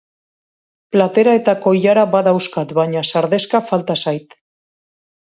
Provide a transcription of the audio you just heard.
Platera eta koilara badauzkat baina sardexka falta zait.